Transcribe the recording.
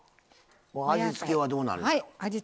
味付けはどうなるんでしょう？